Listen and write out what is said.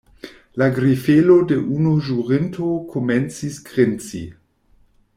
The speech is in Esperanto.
La grifelo de unu ĵurinto komencis grinci.